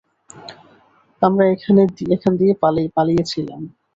আমরা এখান দিয়ে পালিয়েছিলাম।